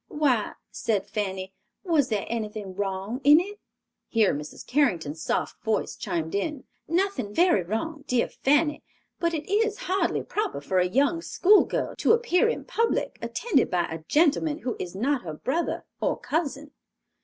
"Why," said Fanny, "was there anything wrong in it?" Here Mrs. Carrington's soft voice chimed in, "Nothing very wrong, dear Fanny, but it is hardly proper for a young school girl to appear in public, attended by a gentleman who is not her brother or cousin."